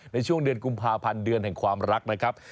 ในช่วงเดือนกุมภาพันธ์เดือนแห่งความรักนะครับ